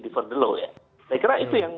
di for the law ya saya kira itu yang